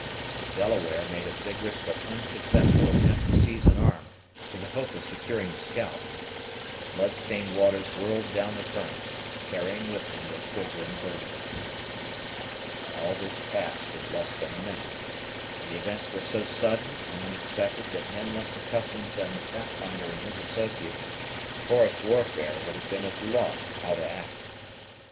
The Delaware made a vigorous but unsuccessful attempt to seize an arm, with the hope of securing the scalp; but the bloodstained waters whirled down the current, carrying with them their quivering burden. All this passed in less than a minute, and the events were so sudden and unexpected, that men less accustomed than the Pathfinder and his associates to forest warfare would have been at a loss how to act.